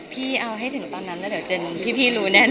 พี่เอาให้ถึงตอนนั้นแล้วเดี๋ยวเจนพี่รู้แน่น